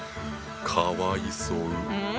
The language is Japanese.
かわいそう。